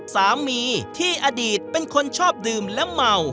สามีที่อดีตเป็นคนชอบดื่มและเมา